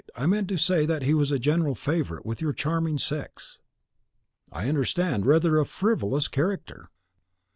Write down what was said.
I meant to say that he was a general favourite with your charming sex." "I understand, rather a frivolous character."